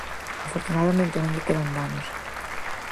Afortunadamente non lle quedan danos.